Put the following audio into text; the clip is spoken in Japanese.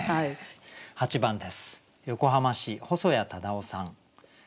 ８番です。